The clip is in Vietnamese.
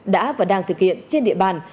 đã và đang thực hiện trên địa bàn